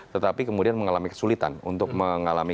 tetapi kemudian mengalami kesulitan untuk mengalami